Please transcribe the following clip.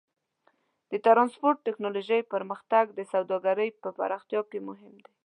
د ټرانسپورټ ټیکنالوجۍ پرمختګ د سوداګرۍ په پراختیا کې مهم دی.